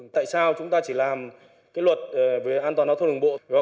tại sao chúng ta chỉ làm cái luật về an toàn giao thông đường bộ